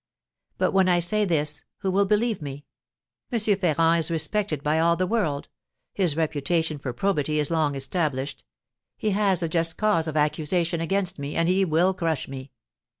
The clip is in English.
But when I say this, who will believe me? M. Ferrand is respected by all the world; his reputation for probity is long established; he has a just cause of accusation against me, and he will crush me.